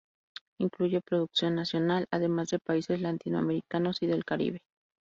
Incluye producción nacional, además de países latinoamericanos y del Caribe.